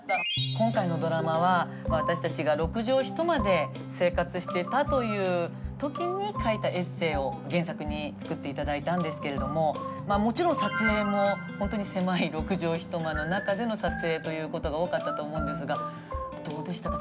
今回のドラマは私たちが６畳一間で生活していたという時に書いたエッセイを原作に作って頂いたんですけれどももちろん撮影も本当に狭い６畳一間の中での撮影ということが多かったと思うんですがどうでしたか？